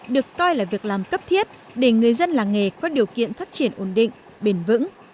được coi là việc làm cấp thiết để người dân làng nghề có điều kiện phát triển ổn định bền vững